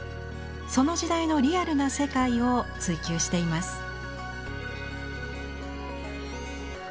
その時代のリアルな世界を追求しています。